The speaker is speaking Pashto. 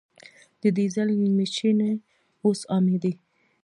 د ډیزل میچنې اوس عامې دي.